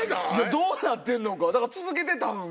どうなってんのか。